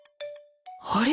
あれ？